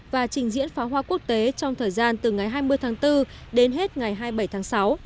và trình diễn pháo hoa quốc tế trong thời gian từ ngày hai mươi tháng bốn đến hết ngày hai mươi bảy tháng sáu